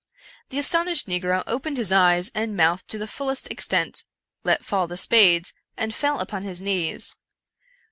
The astonished negro opened his eyes and mouth to the fullest extent, let fall the spades, and fell upon his knees.